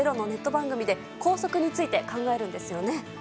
番組で校則について考えるんですよね。